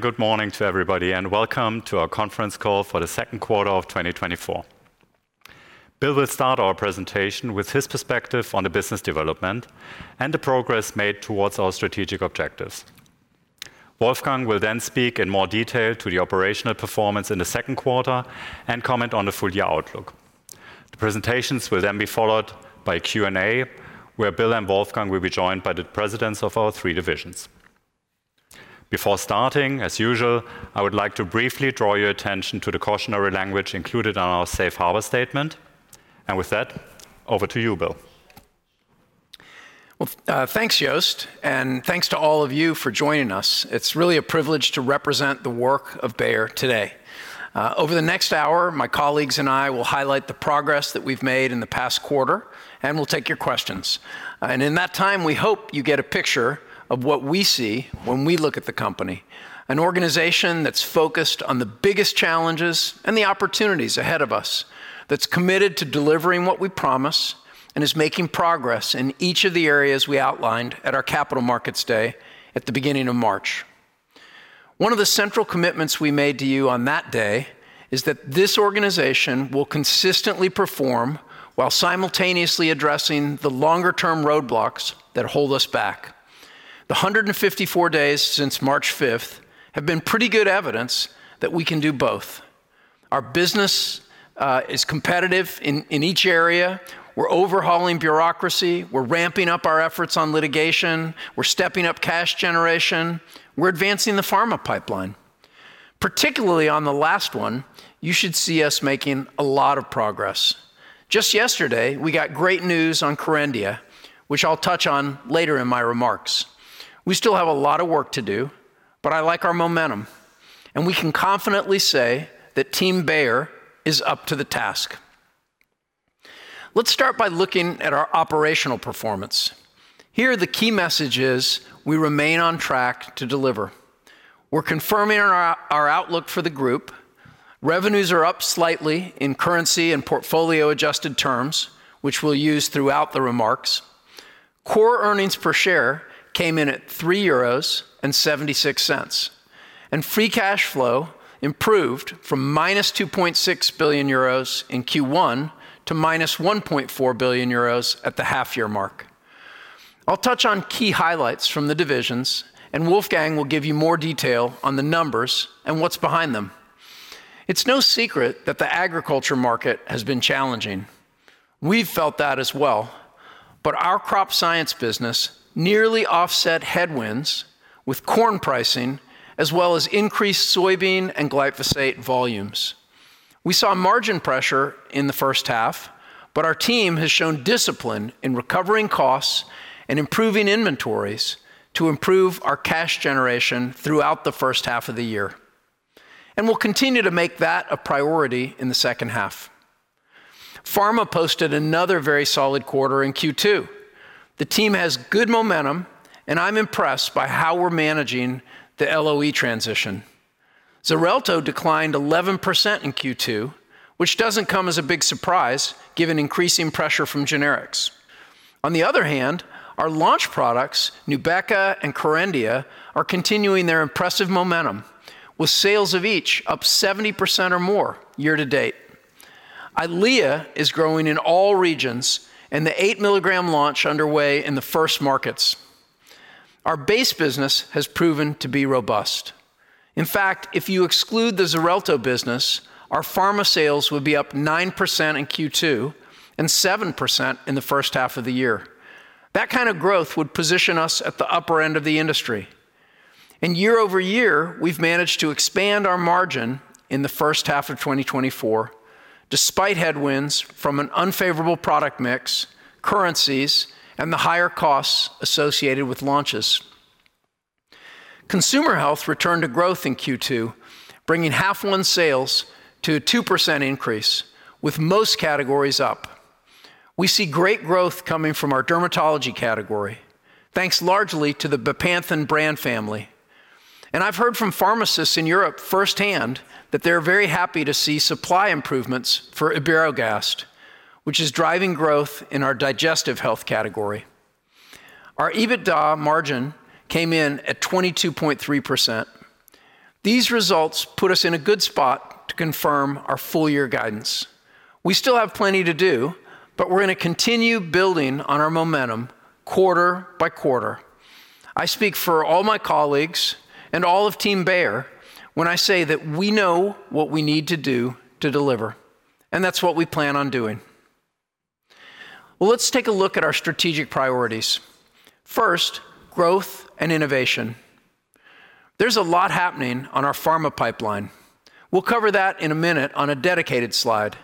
Good morning to everybody, and welcome to our Conference Call for the Second Quarter of 2024. Bill will start our presentation with his perspective on the business development and the progress made towards our strategic objectives. Wolfgang will then speak in more detail to the operational performance in the second quarter and comment on the full year outlook. The presentations will then be followed by Q&A, where Bill and Wolfgang will be joined by the presidents of our three divisions. Before starting, as usual, I would like to briefly draw your attention to the cautionary language included on our safe harbor statement. And with that, over to you, Bill. Well, thanks, Jost, and thanks to all of you for joining us. It's really a privilege to represent the work of Bayer today. Over the next hour, my colleagues and I will highlight the progress that we've made in the past quarter, and we'll take your questions. And in that time, we hope you get a picture of what we see when we look at the company, an organization that's focused on the biggest challenges and the opportunities ahead of us, that's committed to delivering what we promise and is making progress in each of the areas we outlined at our Capital Markets Day at the beginning of March. One of the central commitments we made to you on that day is that this organization will consistently perform while simultaneously addressing the longer-term roadblocks that hold us back. The 154 days since March fifth have been pretty good evidence that we can do both. Our business is competitive in each area. We're overhauling bureaucracy, we're ramping up our efforts on litigation, we're stepping up cash generation, we're advancing the pharma pipeline. Particularly on the last one, you should see us making a lot of progress. Just yesterday, we got great news on Kerendia, which I'll touch on later in my remarks. We still have a lot of work to do, but I like our momentum, and we can confidently say that Team Bayer is up to the task. Let's start by looking at our operational performance. Here, the key message is we remain on track to deliver. We're confirming our outlook for the group. Revenues are up slightly in currency and portfolio-adjusted terms, which we'll use throughout the remarks. Core earnings per share came in at 3.76 euros, and free cash flow improved from -2.6 billion euros in Q1 to -1.4 billion euros at the half-year mark. I'll touch on key highlights from the divisions, and Wolfgang will give you more detail on the numbers and what's behind them. It's no secret that the agriculture market has been challenging. We've felt that as well, but our Crop Science business nearly offset headwinds with corn pricing, as well as increased soybean and glyphosate volumes. We saw margin pressure in the first half, but our team has shown discipline in recovering costs and improving inventories to improve our cash generation throughout the first half of the year, and we'll continue to make that a priority in the second half. Pharma posted another very solid quarter in Q2. The team has good momentum, and I'm impressed by how we're managing the LOE transition. Xarelto declined 11% in Q2, which doesn't come as a big surprise, given increasing pressure from generics. On the other hand, our launch products, Nubeqa and Kerendia, are continuing their impressive momentum, with sales of each up 70% or more year to date. Eylea is growing in all regions, and the 8-milligram launch underway in the first markets. Our base business has proven to be robust. In fact, if you exclude the Xarelto business, our pharma sales would be up 9% in Q2 and 7% in the first half of the year. That kind of growth would position us at the upper end of the industry. Year over year, we've managed to expand our margin in the first half of 2024, despite headwinds from an unfavorable product mix, currencies, and the higher costs associated with launches. Consumer Health returned to growth in Q2, bringing H1 sales to a 2% increase, with most categories up. We see great growth coming from our dermatology category, thanks largely to the Bepanthen brand family. And I've heard from pharmacists in Europe firsthand that they're very happy to see supply improvements for Iberogast, which is driving growth in our digestive health category. Our EBITDA margin came in at 22.3%. These results put us in a good spot to confirm our full-year guidance. We still have plenty to do, but we're going to continue building on our momentum quarter by quarter. I speak for all my colleagues and all of Team Bayer when I say that we know what we need to do to deliver, and that's what we plan on doing. Well, let's take a look at our strategic priorities. First, growth and innovation. There's a lot happening on our pharma pipeline. We'll cover that in a minute on a dedicated slide,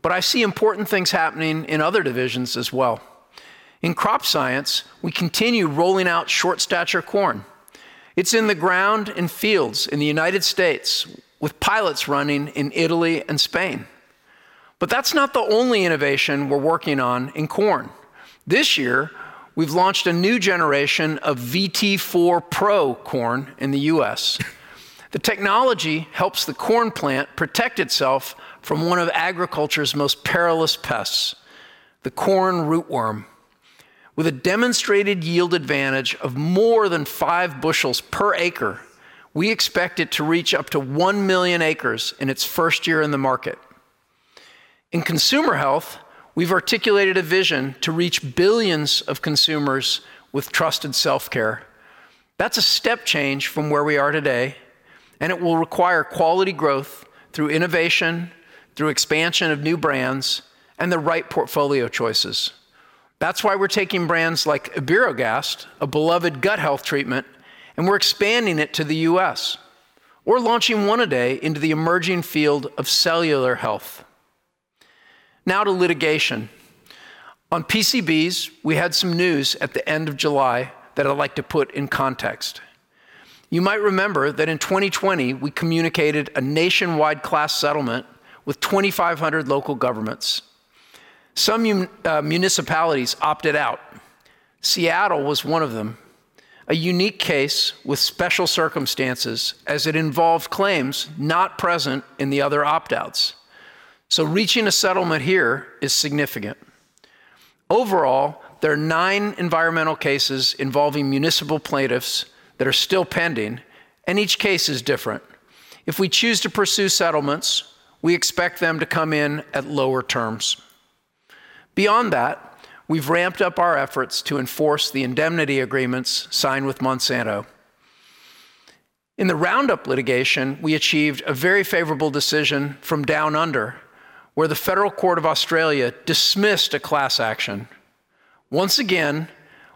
but I see important things happening in other divisions as well. In crop science, we continue rolling out Short Stature Corn. It's in the ground, in fields in the United States, with pilots running in Italy and Spain. But that's not the only innovation we're working on in corn. This year, we've launched a new generation of VT4PRO corn in the U.S. The technology helps the corn plant protect itself from one of agriculture's most perilous pests, the corn rootworm.... With a demonstrated yield advantage of more than 5 bushels per acre, we expect it to reach up to 1 million acres in its first year in the market. In consumer health, we've articulated a vision to reach billions of consumers with trusted self-care. That's a step change from where we are today, and it will require quality growth through innovation, through expansion of new brands, and the right portfolio choices. That's why we're taking brands like Iberogast, a beloved gut health treatment, and we're expanding it to the U.S. We're launching One A Day into the emerging field of cellular health. Now to litigation. On PCBs, we had some news at the end of July that I'd like to put in context. You might remember that in 2020, we communicated a nationwide class settlement with 2,500 local governments. Some municipalities opted out. Seattle was one of them. A unique case with special circumstances, as it involved claims not present in the other opt-outs. So reaching a settlement here is significant. Overall, there are nine environmental cases involving municipal plaintiffs that are still pending, and each case is different. If we choose to pursue settlements, we expect them to come in at lower terms. Beyond that, we've ramped up our efforts to enforce the indemnity agreements signed with Monsanto. In the Roundup litigation, we achieved a very favorable decision from Down Under, where the Federal Court of Australia dismissed a class action. Once again,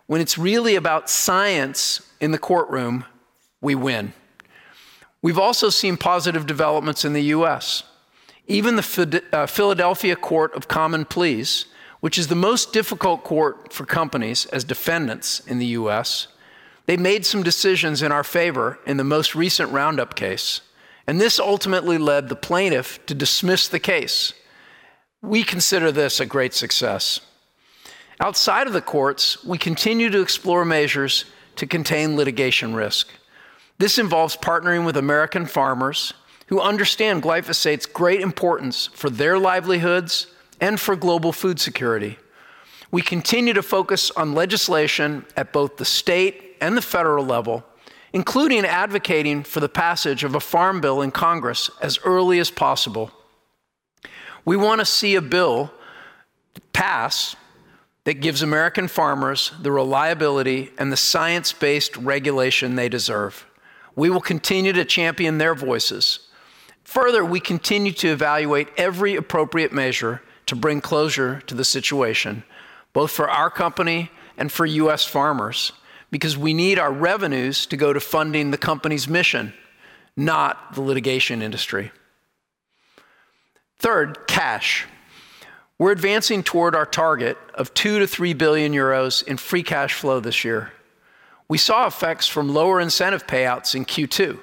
when it's really about science in the courtroom, we win. We've also seen positive developments in the U.S. Even the Philadelphia Court of Common Pleas, which is the most difficult court for companies as defendants in the U.S., they made some decisions in our favor in the most recent Roundup case, and this ultimately led the plaintiff to dismiss the case. We consider this a great success. Outside of the courts, we continue to explore measures to contain litigation risk. This involves partnering with American farmers who understand glyphosate's great importance for their livelihoods and for global food security. We continue to focus on legislation at both the state and the federal level, including advocating for the passage of a Farm Bill in Congress as early as possible. We want to see a bill pass that gives American farmers the reliability and the science-based regulation they deserve. We will continue to champion their voices. Further, we continue to evaluate every appropriate measure to bring closure to the situation, both for our company and for US farmers, because we need our revenues to go to funding the company's mission, not the litigation industry. Third, cash. We're advancing toward our target of 2 billion-3 billion euros in free cash flow this year. We saw effects from lower incentive payouts in Q2.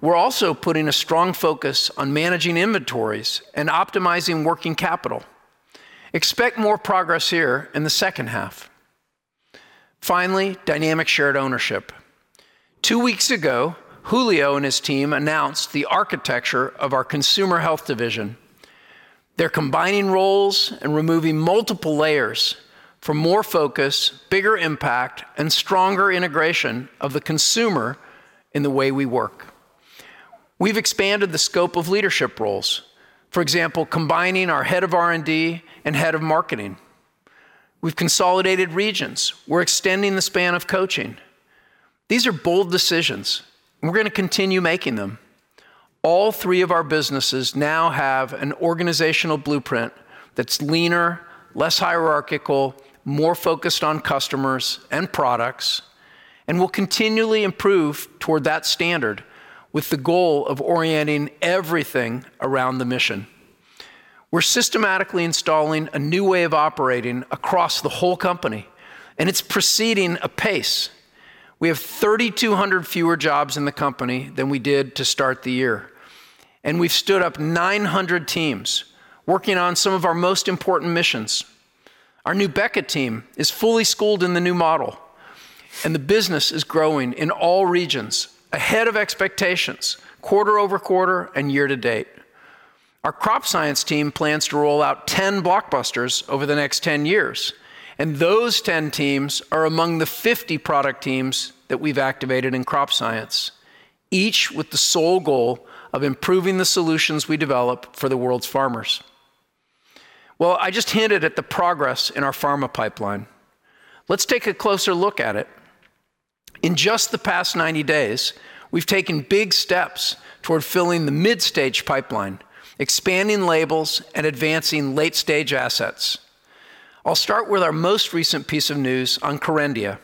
We're also putting a strong focus on managing inventories and optimizing working capital. Expect more progress here in the second half. Finally, dynamic shared ownership. Two weeks ago, Julio and his team announced the architecture of our consumer health division. They're combining roles and removing multiple layers for more focus, bigger impact, and stronger integration of the consumer in the way we work. We've expanded the scope of leadership roles. For example, combining our head of R&D and head of marketing. We've consolidated regions. We're extending the span of coaching. These are bold decisions, and we're going to continue making them. All three of our businesses now have an organizational blueprint that's leaner, less hierarchical, more focused on customers and products, and will continually improve toward that standard, with the goal of orienting everything around the mission. We're systematically installing a new way of operating across the whole company, and it's proceeding apace. We have 3,200 fewer jobs in the company than we did to start the year, and we've stood up 900 teams working on some of our most important missions. Our new Berocca team is fully schooled in the new model, and the business is growing in all regions, ahead of expectations, quarter-over-quarter and year to date. Our crop science team plans to roll out 10 blockbusters over the next 10 years, and those 10 teams are among the 50 product teams that we've activated in crop science, each with the sole goal of improving the solutions we develop for the world's farmers. Well, I just hinted at the progress in our pharma pipeline. Let's take a closer look at it. In just the past 90 days, we've taken big steps toward filling the mid-stage pipeline, expanding labels, and advancing late-stage assets. I'll start with our most recent piece of news on Kerendia.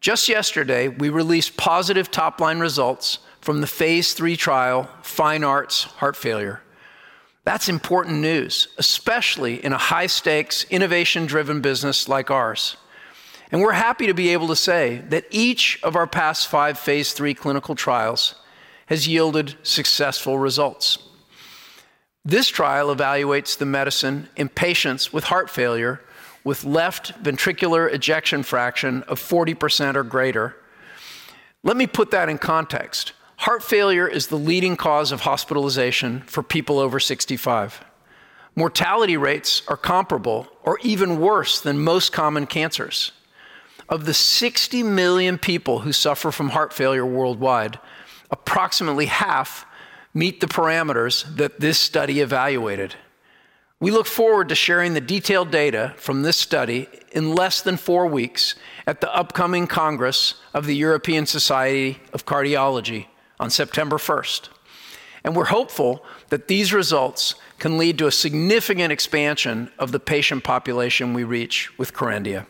Just yesterday, we released positive top-line results from the phase III trial, FINEARTS-HF. That's important news, especially in a high-stakes, innovation-driven business like ours. And we're happy to be able to say that each of our past five phase III clinical trials has yielded successful results. This trial evaluates the medicine in patients with heart failure, with left ventricular ejection fraction of 40% or greater. Let me put that in context. Heart failure is the leading cause of hospitalization for people over 65. Mortality rates are comparable or even worse than most common cancers. Of the 60 million people who suffer from heart failure worldwide, approximately half meet the parameters that this study evaluated. We look forward to sharing the detailed data from this study in less than four weeks at the upcoming Congress of the European Society of Cardiology on September first. We're hopeful that these results can lead to a significant expansion of the patient population we reach with Kerendia.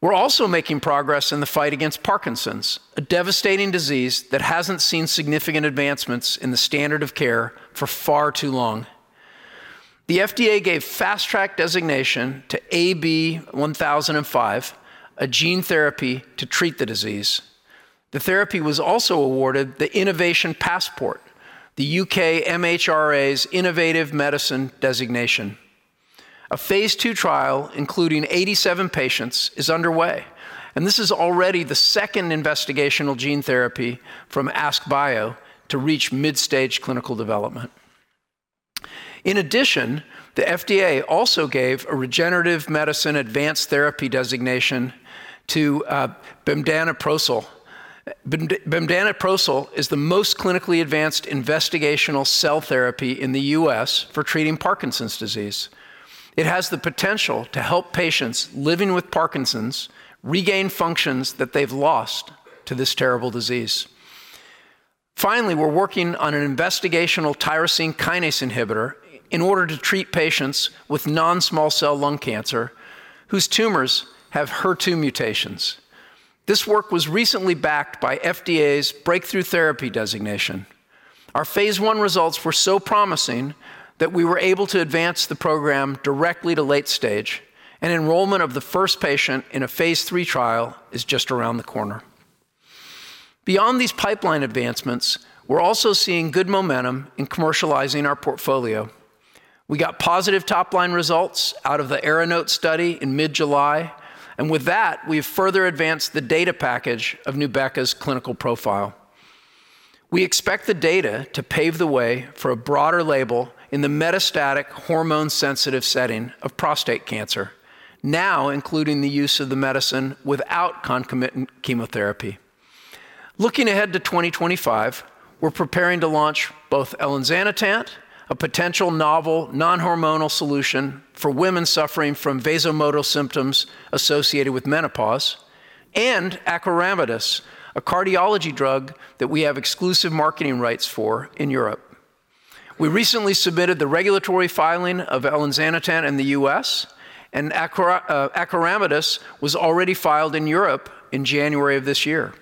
We're also making progress in the fight against Parkinson's, a devastating disease that hasn't seen significant advancements in the standard of care for far too long. The FDA gave Fast Track designation to AB-1005, a gene therapy to treat the disease. The therapy was also awarded the Innovation Passport, the UK MHRA's Innovative Medicine Designation. A phase II trial, including 87 patients, is underway, and this is already the second investigational gene therapy from AskBio to reach mid-stage clinical development. In addition, the FDA also gave a Regenerative Medicine Advanced Therapy designation to bemdaneprocel. Bemdaneprocel is the most clinically advanced investigational cell therapy in the U.S. for treating Parkinson's disease. It has the potential to help patients living with Parkinson's regain functions that they've lost to this terrible disease. Finally, we're working on an investigational tyrosine kinase inhibitor in order to treat patients with non-small cell lung cancer, whose tumors have HER2 mutations. This work was recently backed by FDA's Breakthrough Therapy designation. Our phase I results were so promising that we were able to advance the program directly to late stage, and enrollment of the first patient in a phase III trial is just around the corner. Beyond these pipeline advancements, we're also seeing good momentum in commercializing our portfolio. We got positive top-line results out of the ARANOTE study in mid-July, and with that, we have further advanced the data package of Nubeqa's clinical profile. We expect the data to pave the way for a broader label in the metastatic hormone-sensitive setting of prostate cancer, now including the use of the medicine without concomitant chemotherapy. Looking ahead to 2025, we're preparing to launch both elinzanetant, a potential novel non-hormonal solution for women suffering from vasomotor symptoms associated with menopause, and acoramidis, a cardiology drug that we have exclusive marketing rights for in Europe. We recently submitted the regulatory filing of elinzanetant in the U.S., and acoramidis was already filed in Europe in January of this year.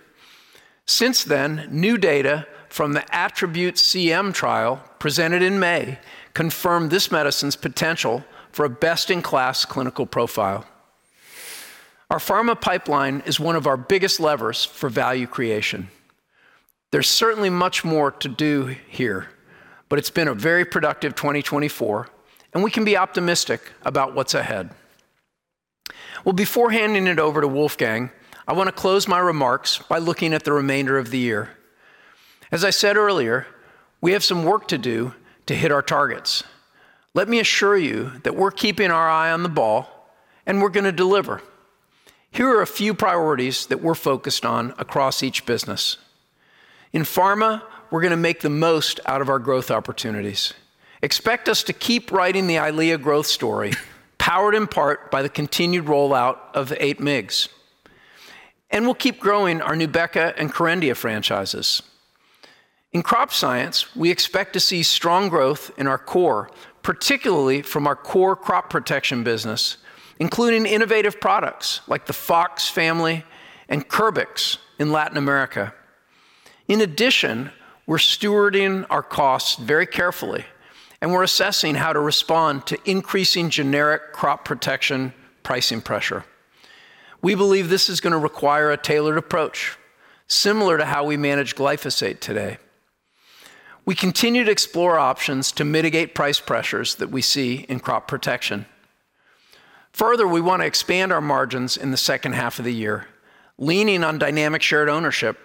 Since then, new data from the ATTRIBUTE-CM trial, presented in May, confirmed this medicine's potential for a best-in-class clinical profile. Our pharma pipeline is one of our biggest levers for value creation. There's certainly much more to do here, but it's been a very productive 2024, and we can be optimistic about what's ahead. Well, before handing it over to Wolfgang, I want to close my remarks by looking at the remainder of the year. As I said earlier, we have some work to do to hit our targets. Let me assure you that we're keeping our eye on the ball, and we're going to deliver. Here are a few priorities that we're focused on across each business. In pharma, we're going to make the most out of our growth opportunities. Expect us to keep writing the EYLEA growth story, powered in part by the continued rollout of the 8 mgs. And we'll keep growing our Nubeqa and Kerendia franchises. In crop science, we expect to see strong growth in our core, particularly from our core crop protection business, including innovative products like the Fox family and Curbix in Latin America. In addition, we're stewarding our costs very carefully, and we're assessing how to respond to increasing generic crop protection pricing pressure. We believe this is going to require a tailored approach, similar to how we manage glyphosate today. We continue to explore options to mitigate price pressures that we see in crop protection. Further, we want to expand our margins in the second half of the year, leaning on Dynamic Shared Ownership.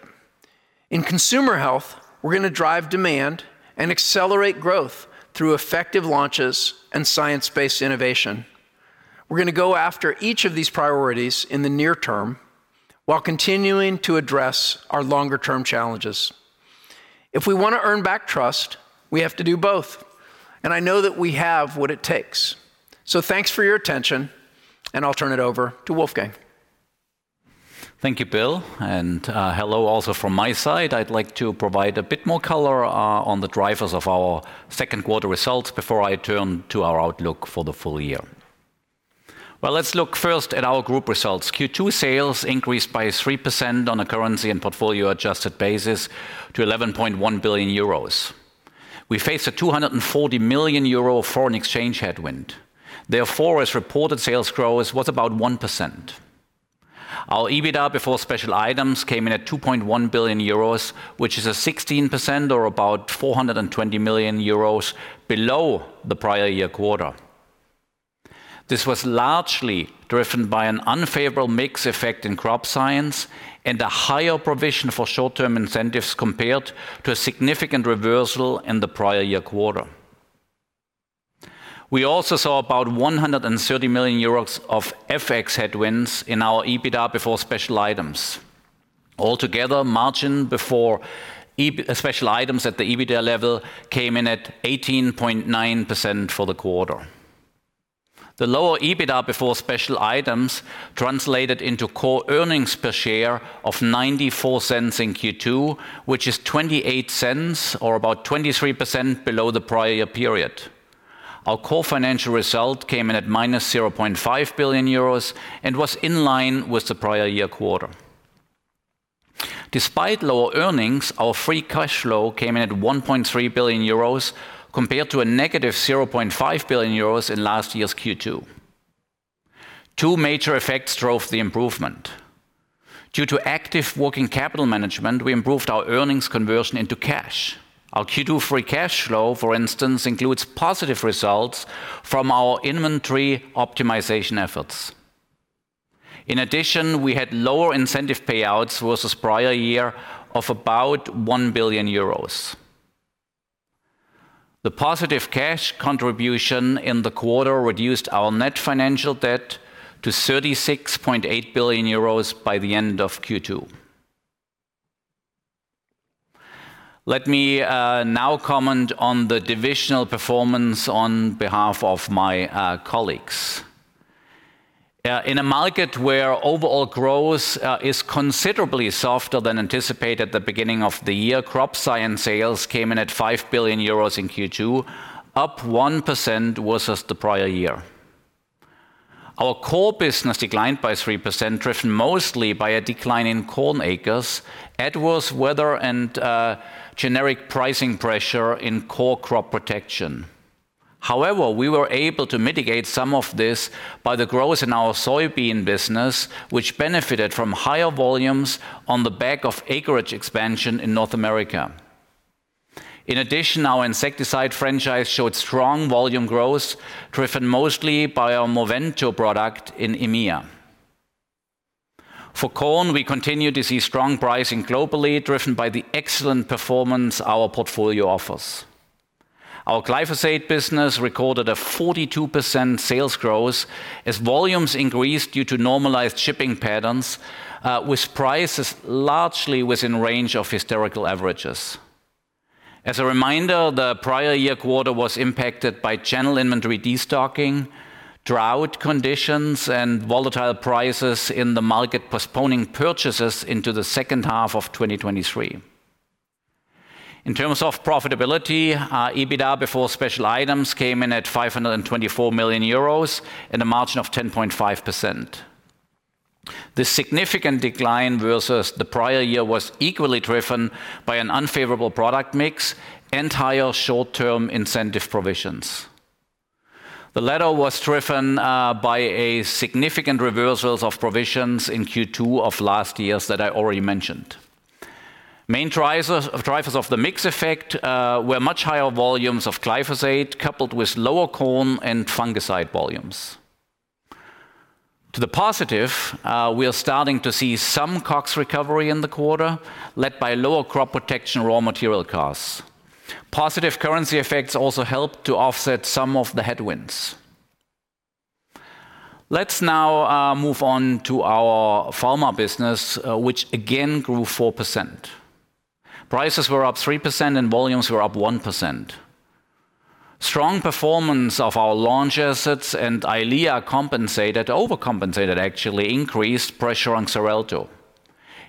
In consumer health, we're going to drive demand and accelerate growth through effective launches and science-based innovation. We're going to go after each of these priorities in the near term, while continuing to address our longer-term challenges. If we want to earn back trust, we have to do both, and I know that we have what it takes. So thanks for your attention, and I'll turn it over to Wolfgang. Thank you, Bill, and, hello also from my side. I'd like to provide a bit more color on the drivers of our second quarter results before I turn to our outlook for the full year. Well, let's look first at our group results. Q2 sales increased by 3% on a currency and portfolio-adjusted basis to 11.1 billion euros. We faced a 240 million euro foreign exchange headwind. Therefore, as reported, sales growth was about 1%. Our EBITDA before special items came in at 2.1 billion euros, which is a 16% or about 420 million euros below the prior year quarter. This was largely driven by an unfavorable mix effect in crop science and a higher provision for short-term incentives compared to a significant reversal in the prior year quarter. We also saw about 130 million euros of FX headwinds in our EBITDA before special items. Altogether, margin before EBITDA special items at the EBITDA level came in at 18.9% for the quarter. The lower EBITDA before special items translated into core earnings per share of 0.94 in Q2, which is 0.28, or about 23% below the prior period. Our core financial result came in at -0.5 billion euros and was in line with the prior year quarter. Despite lower earnings, our free cash flow came in at 1.3 billion euros, compared to a negative 0.5 billion euros in last year's Q2. Two major effects drove the improvement. Due to active working capital management, we improved our earnings conversion into cash. Our Q2 Free Cash Flow, for instance, includes positive results from our inventory optimization efforts. In addition, we had lower incentive payouts versus prior year of about 1 billion euros. The positive cash contribution in the quarter reduced our net financial debt to 36.8 billion euros by the end of Q2. Let me now comment on the divisional performance on behalf of my colleagues. In a market where overall growth is considerably softer than anticipated at the beginning of the year, Crop Science sales came in at 5 billion euros in Q2, up 1% versus the prior year. Our core business declined by 3%, driven mostly by a decline in corn acres, adverse weather, and generic pricing pressure in core crop protection. However, we were able to mitigate some of this by the growth in our soybean business, which benefited from higher volumes on the back of acreage expansion in North America. In addition, our insecticide franchise showed strong volume growth, driven mostly by our Movento product in EMEA. For corn, we continue to see strong pricing globally, driven by the excellent performance our portfolio offers. Our glyphosate business recorded a 42% sales growth as volumes increased due to normalized shipping patterns, with prices largely within range of historical averages. As a reminder, the prior year quarter was impacted by general inventory destocking, drought conditions, and volatile prices in the market, postponing purchases into the second half of 2023. In terms of profitability, our EBITDA before special items came in at 524 million euros and a margin of 10.5%. The significant decline versus the prior year was equally driven by an unfavorable product mix and higher short-term incentive provisions. The LatAm was driven by a significant reversals of provisions in Q2 of last year's that I already mentioned. Main drivers of the mix effect were much higher volumes of Glyphosate, coupled with lower corn and fungicide volumes. To the positive, we are starting to see some COGS recovery in the quarter, led by lower crop protection raw material costs. Positive currency effects also helped to offset some of the headwinds. Let's now move on to our pharma business, which again grew 4%. Prices were up 3% and volumes were up 1%. Strong performance of our launch assets and EYLEA compensated, overcompensated actually, increased pressure on Xarelto.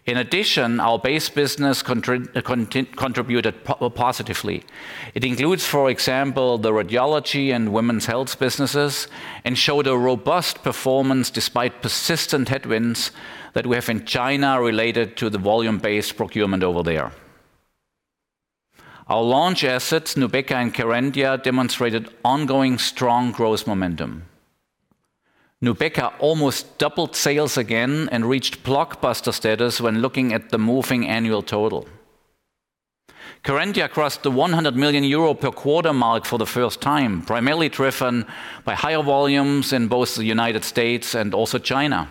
In addition, our base business contributed positively. It includes, for example, the radiology and women's health businesses, and showed a robust performance despite persistent headwinds that we have in China related to the volume-based procurement over there. Our launch assets, Nubeqa and Kerendia, demonstrated ongoing strong growth momentum. Nubeqa almost doubled sales again and reached blockbuster status when looking at the moving annual total. Kerendia crossed the 100 million euro per quarter mark for the first time, primarily driven by higher volumes in both the United States and also China.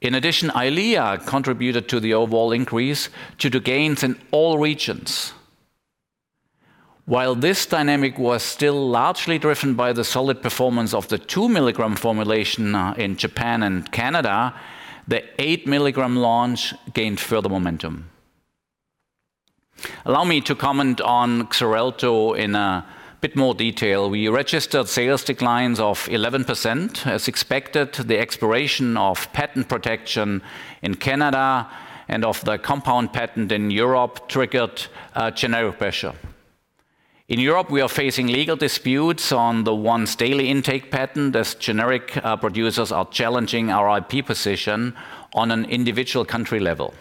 In addition, EYLEA contributed to the overall increase due to gains in all regions. While this dynamic was still largely driven by the solid performance of the 2-milligram formulation in Japan and Canada, the 8-milligram launch gained further momentum. Allow me to comment on Xarelto in a bit more detail. We registered sales declines of 11%. As expected, the expiration of patent protection in Canada and of the compound patent in Europe triggered generic pressure. In Europe, we are facing legal disputes on the once daily intake patent, as generic producers are challenging our IP position on an individual country level.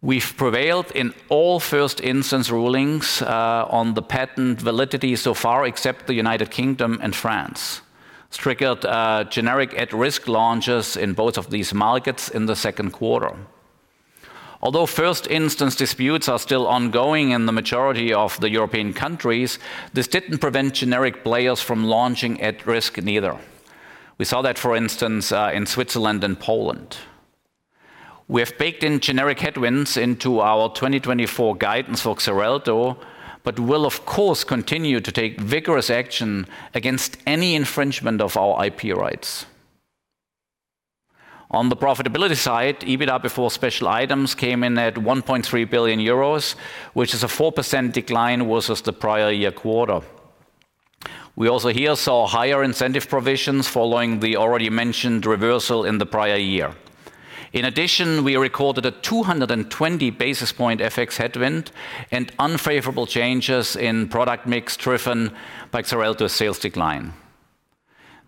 We've prevailed in all first instance rulings on the patent validity so far, except the United Kingdom and France. This triggered generic at-risk launches in both of these markets in the second quarter.... Although first instance disputes are still ongoing in the majority of the European countries, this didn't prevent generic players from launching at risk neither. We saw that, for instance, in Switzerland and Poland. We have baked in generic headwinds into our 2024 guidance for Xarelto, but will, of course, continue to take vigorous action against any infringement of our IP rights. On the profitability side, EBITDA before special items came in at 1.3 billion euros, which is a 4% decline versus the prior year quarter. We also here saw higher incentive provisions following the already mentioned reversal in the prior year. In addition, we recorded a 220 basis point FX headwind and unfavorable changes in product mix, driven by Xarelto sales decline.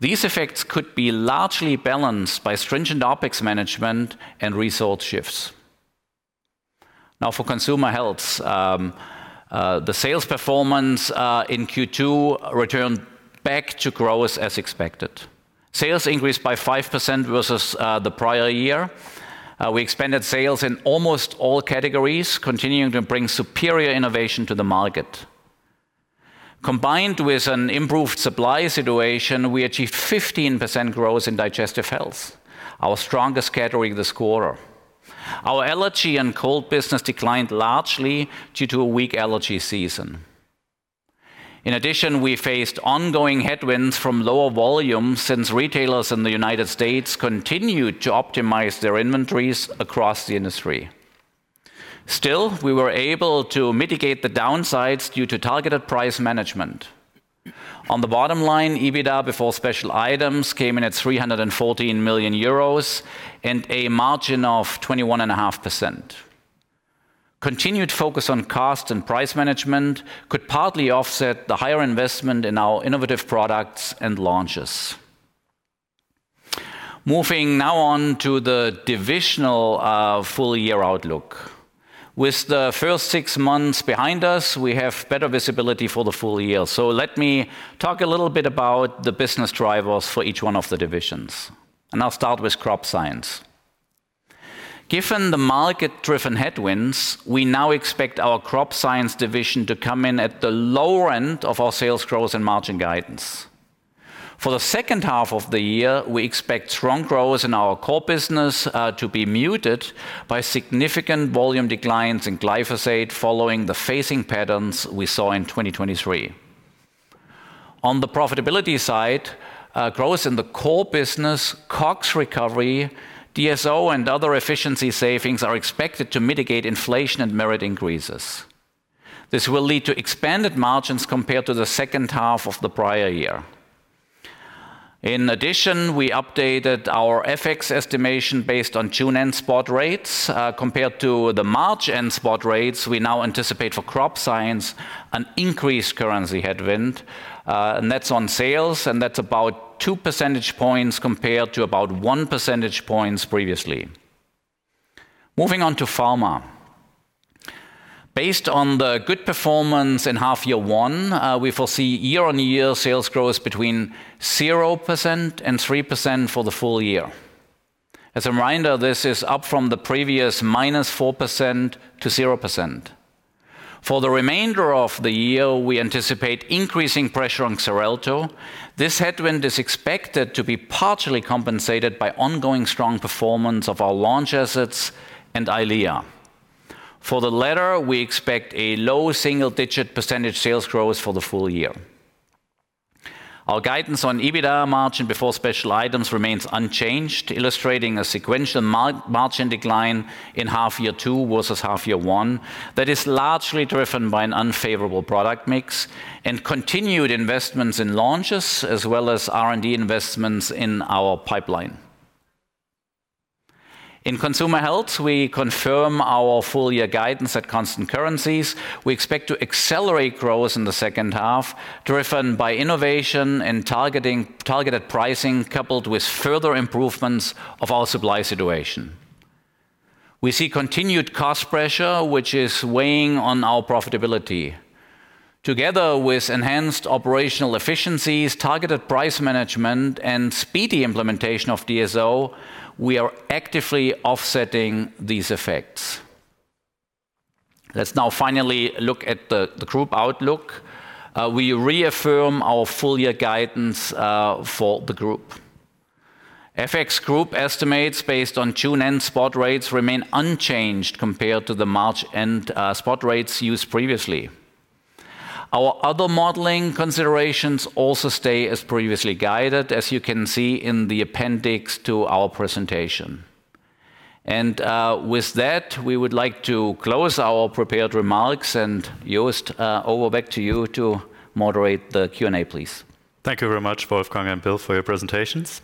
These effects could be largely balanced by stringent OpEx management and resource shifts. Now, for Consumer Health, the sales performance in Q2 returned back to growth as expected. Sales increased by 5% versus the prior year. We expanded sales in almost all categories, continuing to bring superior innovation to the market. Combined with an improved supply situation, we achieved 15% growth in digestive health, our strongest category this quarter. Our allergy and cold business declined largely due to a weak allergy season. In addition, we faced ongoing headwinds from lower volumes, since retailers in the United States continued to optimize their inventories across the industry. Still, we were able to mitigate the downsides due to targeted price management. On the bottom line, EBITDA before special items came in at 314 million euros and a margin of 21.5%. Continued focus on cost and price management could partly offset the higher investment in our innovative products and launches. Moving now on to the divisional full year outlook. With the first six months behind us, we have better visibility for the full year. So let me talk a little bit about the business drivers for each one of the divisions, and I'll start with Crop Science. Given the market-driven headwinds, we now expect our Crop Science division to come in at the lower end of our sales growth and margin guidance. For the second half of the year, we expect strong growth in our core business to be muted by significant volume declines in glyphosate, following the phasing patterns we saw in 2023. On the profitability side, growth in the core business, COGS recovery, DSO and other efficiency savings are expected to mitigate inflation and merit increases. This will lead to expanded margins compared to the second half of the prior year. In addition, we updated our FX estimation based on June-end spot rates. Compared to the March-end spot rates, we now anticipate for Crop Science an increased currency headwind, and that's on sales, and that's about 2 percentage points compared to about 1 percentage points previously. Moving on to Pharma. Based on the good performance in half year one, we foresee year-on-year sales growth between 0% and 3% for the full year. As a reminder, this is up from the previous -4% to 0%. For the remainder of the year, we anticipate increasing pressure on Xarelto. This headwind is expected to be partially compensated by ongoing strong performance of our launch assets and EYLEA. For the latter, we expect a low single-digit % sales growth for the full year. Our guidance on EBITDA margin before special items remains unchanged, illustrating a sequential margin decline in half year two versus half year one, that is largely driven by an unfavorable product mix and continued investments in launches, as well as R&D investments in our pipeline. In Consumer Health, we confirm our full year guidance at constant currencies. We expect to accelerate growth in the second half, driven by innovation and targeted pricing, coupled with further improvements of our supply situation. We see continued cost pressure, which is weighing on our profitability. Together with enhanced operational efficiencies, targeted price management, and speedy implementation of DSO, we are actively offsetting these effects. Let's now finally look at the group outlook. We reaffirm our full year guidance for the group. FX group estimates based on June-end spot rates remain unchanged compared to the March-end spot rates used previously. Our other modeling considerations also stay as previously guided, as you can see in the appendix to our presentation. And with that, we would like to close our prepared remarks, and Jost, over back to you to moderate the Q&A, please. Thank you very much, Wolfgang and Bill, for your presentations.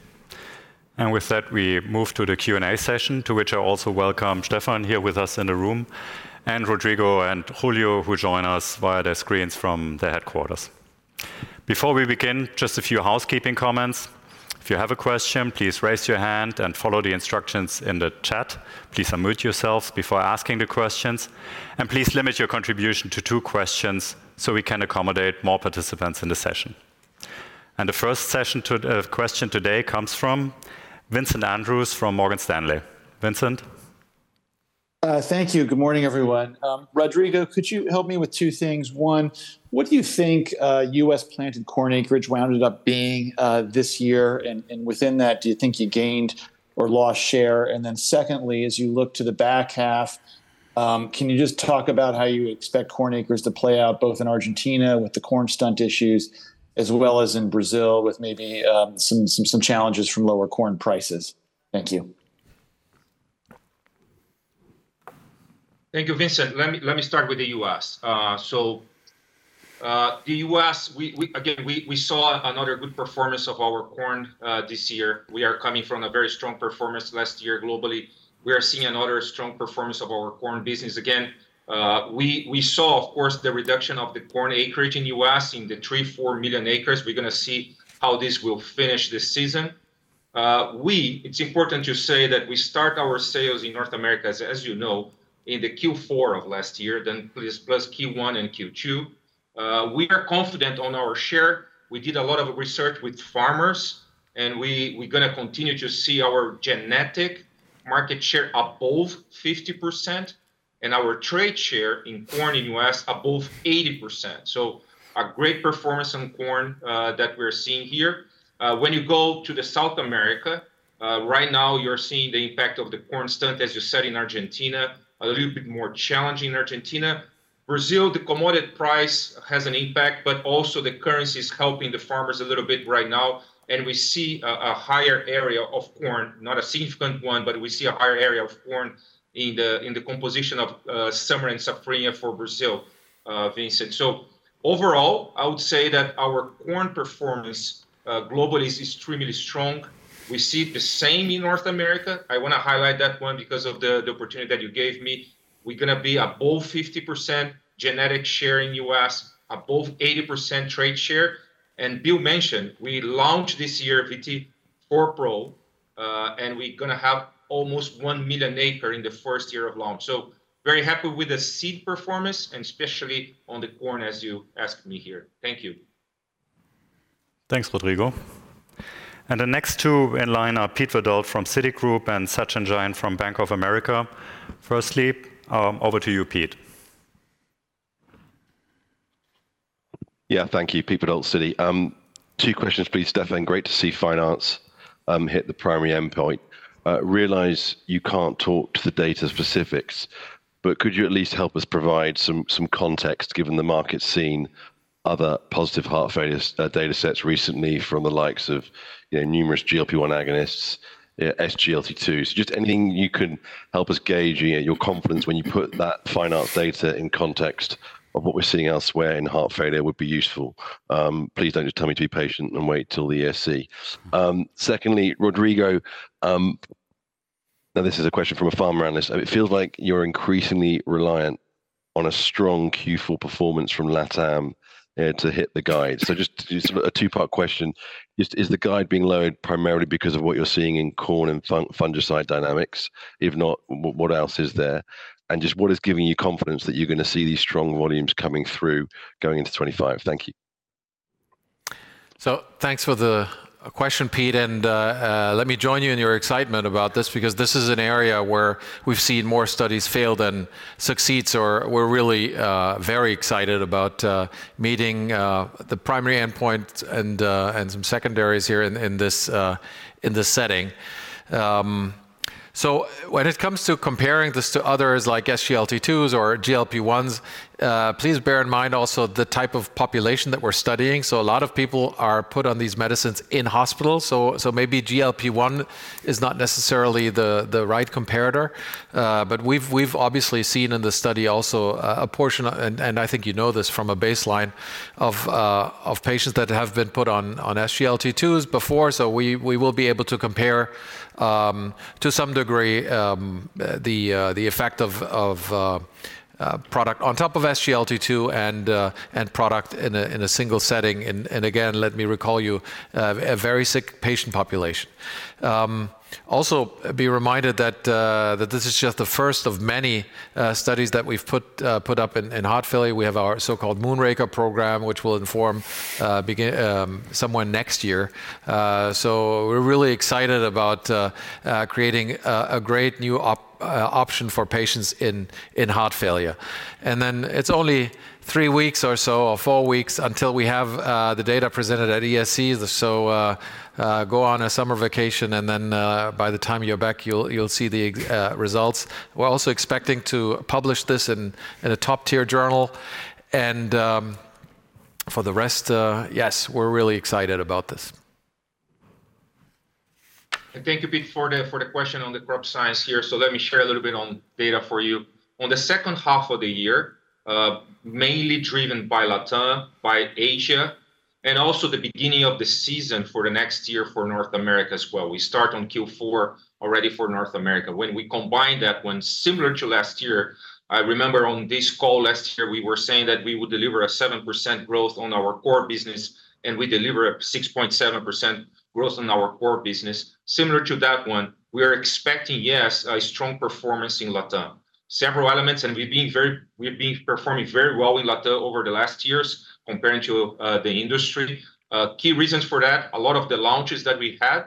And with that, we move to the Q&A session, to which I also welcome Stefan here with us in the room, and Rodrigo and Julio, who join us via their screens from the headquarters. Before we begin, just a few housekeeping comments. If you have a question, please raise your hand and follow the instructions in the chat. Please unmute yourselves before asking the questions, and please limit your contribution to two questions so we can accommodate more participants in the session. And the first question today comes from Vincent Andrews from Morgan Stanley. Vincent? Thank you. Good morning, everyone. Rodrigo, could you help me with two things? One, what do you think, U.S. planted corn acreage wound up being, this year? And within that, do you think you gained or lost share? And then secondly, as you look to the back half, can you just talk about how you expect corn acres to play out, both in Argentina with the corn stunt issues, as well as in Brazil, with maybe, some challenges from lower corn prices? Thank you. Thank you, Vincent. Let me start with the U.S. So, the U.S., we again saw another good performance of our corn this year. We are coming from a very strong performance last year globally. We are seeing another strong performance of our corn business again. We saw, of course, the reduction of the corn acreage in the U.S., in the 3-4 million acres. We're gonna see how this will finish this season. It's important to say that we start our sales in North America, as you know, in the Q4 of last year, then this plus Q1 and Q2. We are confident on our share. We did a lot of research with farmers, and we, we're gonna continue to see our genetic market share above 50%, and our trade share in corn in U.S. above 80%. So a great performance on corn, that we're seeing here. When you go to the South America, right now you're seeing the impact of the corn stunt, as you said, in Argentina, a little bit more challenging in Argentina. Brazil, the commodity price has an impact, but also the currency is helping the farmers a little bit right now, and we see a higher area of corn. Not a significant one, but we see a higher area of corn in the composition of summer and Safrinha for Brazil, Vincent. So overall, I would say that our corn performance globally is extremely strong. We see the same in North America. I wanna highlight that one because of the opportunity that you gave me. We're gonna be above 50% genetic share in U.S., above 80% trade share. And Bill mentioned we launched this year, VT4PRO, and we're gonna have almost 1 million acres in the first year of launch. So very happy with the seed performance, and especially on the corn, as you asked me here. Thank you. Thanks, Rodrigo. The next two in line are Peter Verdult from Citigroup and Sachin Jain from Bank of America. Firstly, over to you, Peter. Yeah, thank you. Peter Verdult, Citi. Two questions, please, Stefan. Great to see FINEARTS-HF hit the primary endpoint. Realize you can't talk to the data specifics, but could you at least help us provide some, some context, given the market's seen other positive heart failure datasets recently from the likes of, you know, numerous GLP-1 agonists, SGLT2? So just anything you can help us gauge, your, your confidence when you put that FINEARTS-HF data in context of what we're seeing elsewhere in heart failure would be useful. Please don't just tell me to be patient and wait till the ESC. Secondly, Rodrigo, now this is a question from a farmer analyst. It feels like you're increasingly reliant on a strong Q4 performance from LatAm to hit the guide. So just sort of a two-part question. Jost, is the guide being lowered primarily because of what you're seeing in corn and fungicide dynamics? If not, what else is there? And just what is giving you confidence that you're gonna see these strong volumes coming through going into 25? Thank you. So thanks for the question, Pete. Let me join you in your excitement about this, because this is an area where we've seen more studies fail than succeeds, or we're really very excited about meeting the primary endpoint and some secondaries here in this setting. So when it comes to comparing this to others like SGLT2s or GLP-1s, please bear in mind also the type of population that we're studying. So a lot of people are put on these medicines in hospital. So maybe GLP-1 is not necessarily the right comparator, but we've obviously seen in the study also a portion, and I think you know this from a baseline, of patients that have been put on SGLT2s before. So we will be able to compare, to some degree, the effect of product on top of SGLT2 and product in a single setting. And again, let me remind you a very sick patient population. Also be reminded that this is just the first of many studies that we've put up in heart failure. We have our so-called MOONRAKER program, which will begin somewhere next year. So we're really excited about creating a great new option for patients in heart failure. And then it's only three weeks or so, or four weeks until we have the data presented at ESC. So, go on a summer vacation, and then, by the time you're back, you'll see the expected results. We're also expecting to publish this in a top-tier journal. And, for the rest, yes, we're really excited about this. And thank you, Peter, for the question on the crop science here. So let me share a little bit on data for you. On the second half of the year, mainly driven by LatAm, by Asia, and also the beginning of the season for the next year for North America as well. We start on Q4 already for North America. When we combine that one, similar to last year, I remember on this call last year, we were saying that we would deliver a 7% growth on our core business, and we deliver a 6.7% growth on our core business. Similar to that one, we are expecting, yes, a strong performance in LatAm... several elements, and we've been performing very well in LATAM over the last years comparing to the industry. Key reasons for that, a lot of the launches that we had,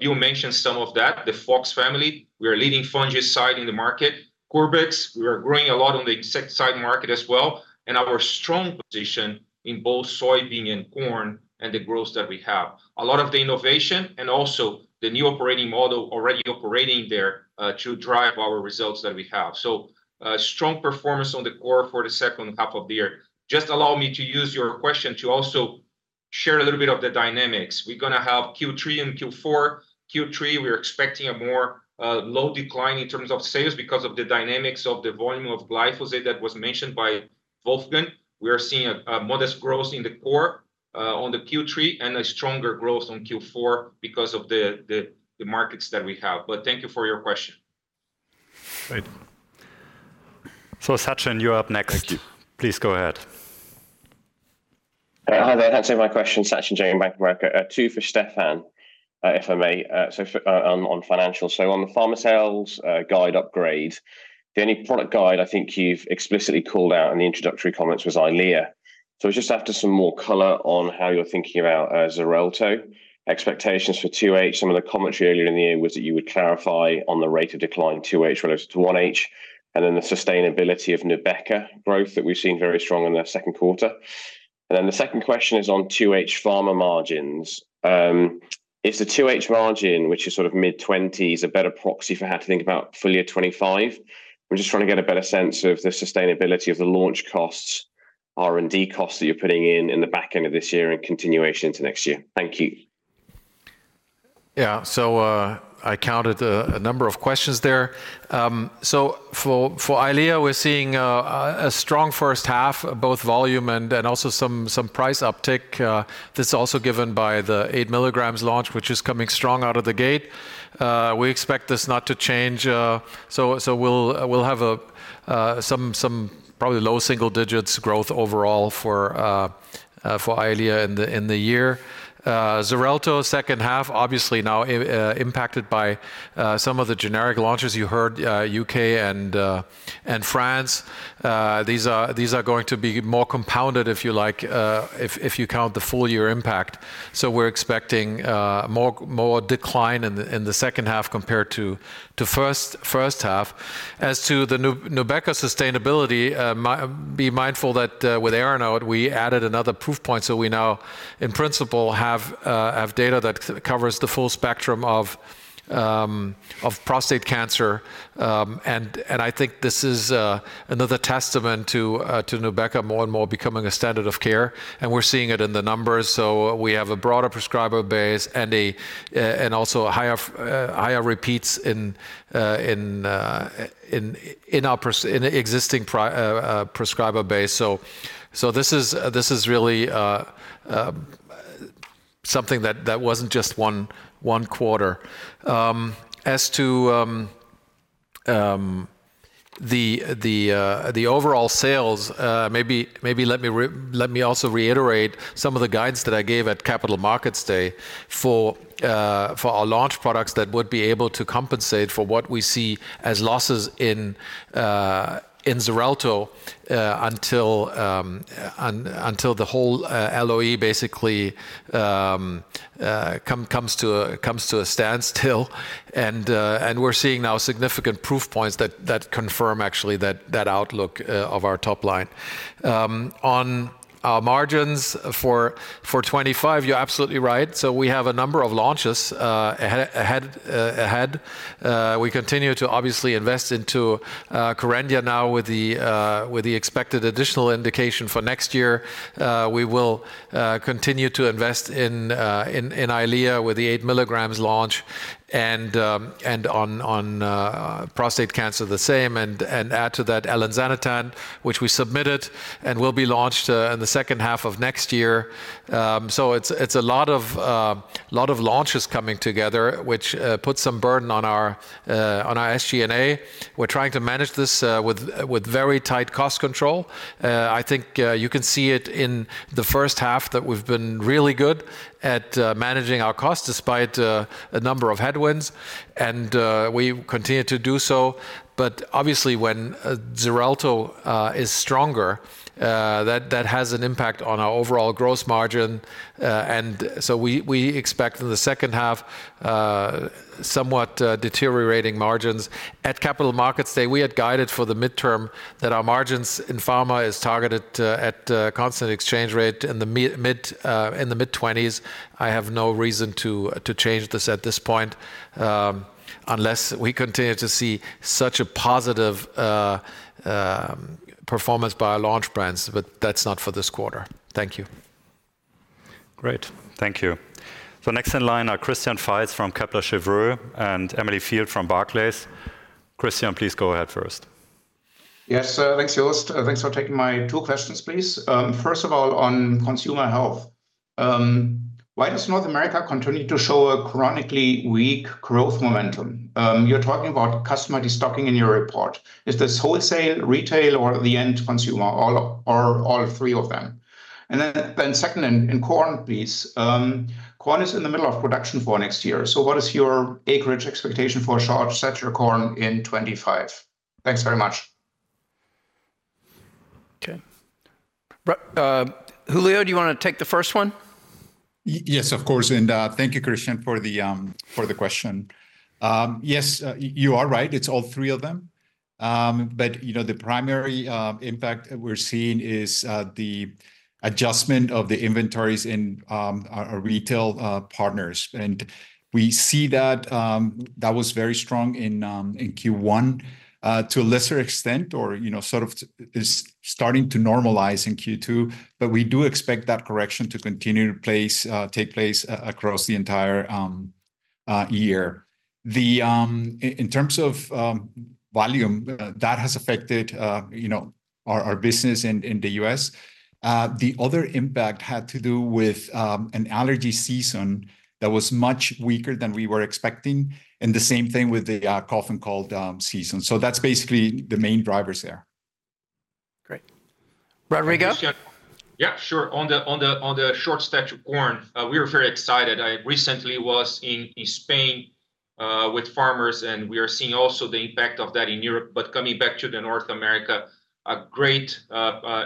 Bill mentioned some of that. The Fox family, we are leading fungicide in the market. Curbix, we are growing a lot on the insecticide market as well, and our strong position in both soybean and corn, and the growth that we have. A lot of the innovation and also the new operating model already operating there, to drive our results that we have. So, a strong performance on the core for the second half of the year. Just allow me to use your question to also share a little bit of the dynamics. We're gonna have Q3 and Q4. Q3, we are expecting a more low decline in terms of sales because of the dynamics of the volume of glyphosate that was mentioned by Wolfgang. We are seeing a modest growth in the core on the Q3, and a stronger growth on Q4 because of the markets that we have. But thank you for your question. Great. So Sachin, you're up next. Thank you. Please go ahead. Hi there. Thanks for my question. Sachin Jain, Bank of America. Two for Stefan, if I may, so on financial. So on the pharma sales guide upgrade, the only product guide I think you've explicitly called out in the introductory comments was EYLEA. So I just after some more color on how you're thinking about Xarelto. Expectations for 2H, some of the commentary earlier in the year was that you would clarify on the rate of decline 2H relative to 1H, and then the sustainability of Nubeqa growth that we've seen very strong in the second quarter. And then the second question is on 2H pharma margins. Is the 2H margin, which is sort of mid-twenties, a better proxy for how to think about full year 2025? We're just trying to get a better sense of the sustainability of the launch costs, R&D costs that you're putting in, in the back end of this year and continuation into next year. Thank you. Yeah. So, I counted a number of questions there. So for EYLEA, we're seeing a strong first half, both volume and also some price uptick. This also given by the 8 milligrams launch, which is coming strong out of the gate. We expect this not to change. So we'll have some probably low single digits growth overall for EYLEA in the year. Xarelto second half, obviously now impacted by some of the generic launches you heard, U.K. and France. These are going to be more compounded, if you like, if you count the full year impact. So we're expecting more decline in the second half compared to first half. As to the Nubeqa sustainability, be mindful that, with ARASENS, we added another proof point. So we now, in principle, have data that covers the full spectrum of prostate cancer. And I think this is another testament to Nubeqa more and more becoming a standard of care, and we're seeing it in the numbers. So we have a broader prescriber base and also a higher repeats in our existing prescriber base. So this is really something that wasn't just one quarter. As to the overall sales, maybe let me also reiterate some of the guides that I gave at Capital Markets Day for our launch products that would be able to compensate for what we see as losses in Xarelto until the whole LOE basically comes to a standstill. And we're seeing now significant proof points that confirm actually that outlook of our top line. On our margins for 2025, you're absolutely right. So we have a number of launches ahead. We continue to obviously invest into Kerendia now with the expected additional indication for next year. We will continue to invest in EYLEA with the 8 milligrams launch and on prostate cancer, the same, and add to that elinzanetant, which we submitted and will be launched in the second half of next year. So it's a lot of launches coming together, which puts some burden on our SG&A. We're trying to manage this with very tight cost control. I think you can see it in the first half that we've been really good at managing our costs despite a number of headwinds, and we continue to do so. But obviously, when Xarelto is stronger, that has an impact on our overall gross margin. So we expect in the second half somewhat deteriorating margins. At Capital Markets Day, we had guided for the midterm that our margins in pharma is targeted at constant exchange rate in the mid-twenties. I have no reason to change this at this point, unless we continue to see such a positive performance by our launch brands, but that's not for this quarter. Thank you. Great. Thank you. So next in line are Christian Fais from Kepler Cheuvreux and Emily Field from Barclays. Christian, please go ahead first. Yes, sir. Thanks, Jost. Thanks for taking my two questions, please. First of all, on consumer health, why does North America continue to show a chronically weak growth momentum? You're talking about customer destocking in your report. Is this wholesale, retail, or the end consumer, or all three of them? And then second, in corn, please. Corn is in the middle of production for next year, so what is your acreage expectation for Short Stature Corn in 2025? Thanks very much.... Okay. Julio, do you wanna take the first one? Yes, of course, and thank you, Christian, for the question. Yes, you are right, it's all three of them. But, you know, the primary impact we're seeing is the adjustment of the inventories in our retail partners. And we see that that was very strong in Q1, to a lesser extent, or, you know, sort of is starting to normalize in Q2, but we do expect that correction to take place across the entire year. In terms of volume, that has affected, you know, our business in the U.S. The other impact had to do with an allergy season that was much weaker than we were expecting, and the same thing with the cough and cold season. So that's basically the main drivers there. Great. Rodrigo? Yeah, sure. On the Short Stature Corn, we are very excited. I recently was in Spain with farmers, and we are seeing also the impact of that in Europe. But coming back to North America, a great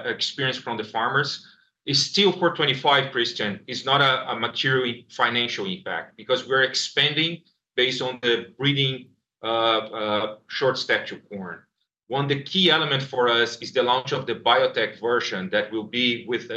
experience from the farmers. It's still for 2025, Christian. It's not a material financial impact, because we're expanding based on the breeding of Short Stature Corn. One of the key element for us is the launch of the biotech version that will be with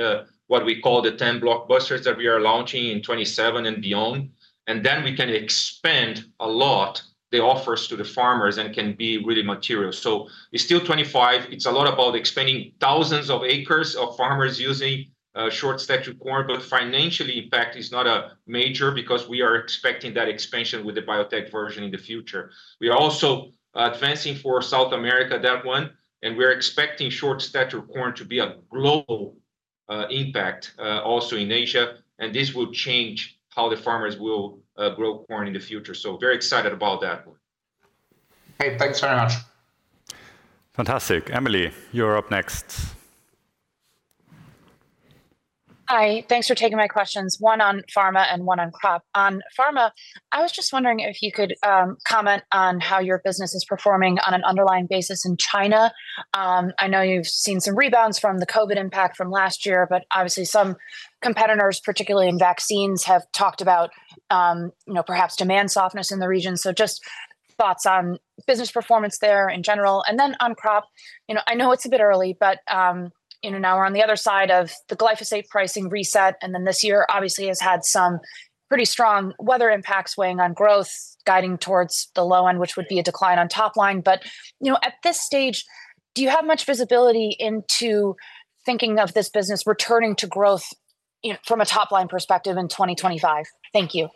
what we call the 10 blockbusters that we are launching in 2027 and beyond. And then we can expand a lot the offers to the farmers and can be really material. So it's still 2025. It's a lot about expanding thousands of acres of farmers using short stature corn, but financially, impact is not major because we are expecting that expansion with the biotech version in the future. We are also advancing for South America, that one, and we're expecting short stature corn to be a global impact also in Asia, and this will change how the farmers will grow corn in the future. So very excited about that one. Okay, thanks very much. Fantastic. Emily, you're up next. Hi, thanks for taking my questions, one on pharma and one on crop. On pharma, I was just wondering if you could comment on how your business is performing on an underlying basis in China. I know you've seen some rebounds from the COVID impact from last year, but obviously some competitors, particularly in vaccines, have talked about, you know, perhaps demand softness in the region. So just thoughts on business performance there in general. And then on crop, you know, I know it's a bit early, but, you know, now we're on the other side of the glyphosate pricing reset, and then this year, obviously, has had some pretty strong weather impacts weighing on growth, guiding towards the low end, which would be a decline on top line. You know, at this stage, do you have much visibility into thinking of this business returning to growth, you know, from a top-line perspective in 2025? Thank you.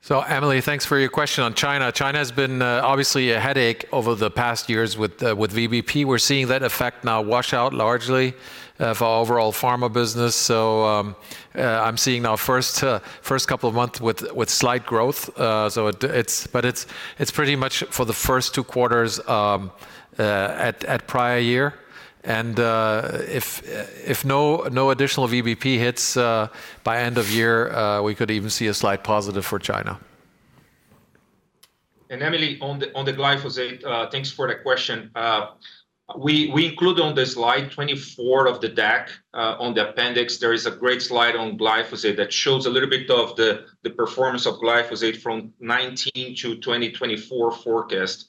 So, Emily, thanks for your question on China. China has been obviously a headache over the past years with VBP. We're seeing that effect now wash out largely for our overall pharma business. So, I'm seeing now first couple of months with slight growth. But it's pretty much for the first two quarters at prior year. And, if no additional VBP hits by end of year, we could even see a slight positive for China. And Emily, on the glyphosate, thanks for the question. We include on the slide 24 of the deck, on the appendix, there is a great slide on glyphosate that shows a little bit of the performance of glyphosate from 2019 to 2024 forecast.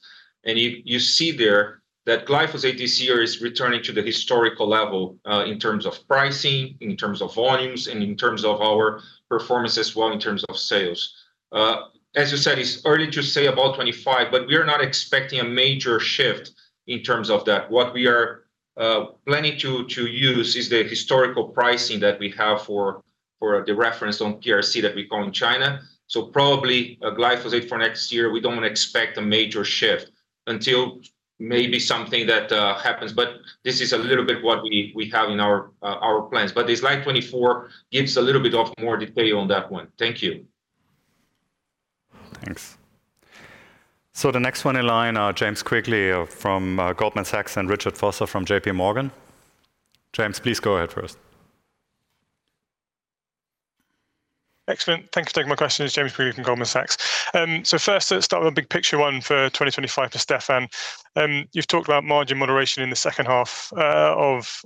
You see there that glyphosate this year is returning to the historical level, in terms of pricing, in terms of volumes, and in terms of our performance as well, in terms of sales. As you said, it's early to say about 2025, but we are not expecting a major shift in terms of that. What we are planning to use is the historical pricing that we have for the reference on VBP that we call in China. So probably, glyphosate for next year, we don't expect a major shift until maybe something that happens. But this is a little bit what we have in our plans. But the slide 24 gives a little bit more detail on that one. Thank you. Thanks. So the next one in line, James Quigley from Goldman Sachs and Richard Vosser from J.P. Morgan. James, please go ahead first. Excellent. Thank you for taking my question. It's James Quigley from Goldman Sachs. So first, let's start with a big picture one for 2025 to Stefan. You've talked about margin moderation in the second half of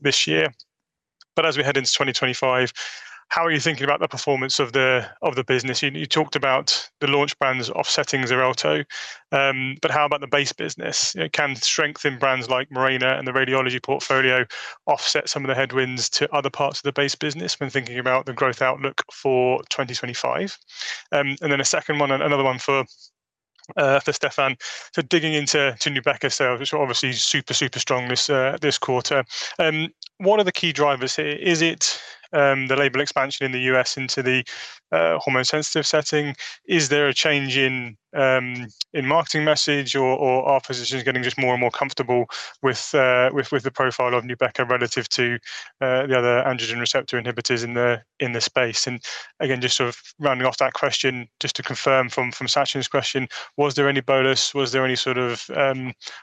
this year. But as we head into 2025, how are you thinking about the performance of the business? You talked about the launch brands offsetting Xarelto, but how about the base business? Can strength in brands like Mirena and the radiology portfolio offset some of the headwinds to other parts of the base business when thinking about the growth outlook for 2025? And then a second one and another one for Stefan. So digging into Nubeqa sales, which are obviously super, super strong this quarter. What are the key drivers here? Is it the label expansion in the US into the hormone-sensitive setting? Is there a change in marketing message or are physicians getting just more and more comfortable with the profile of Nubeqa relative to the other androgen receptor inhibitors in the space? And again, just sort of rounding off that question, just to confirm from Sachin's question, was there any bolus, was there any sort of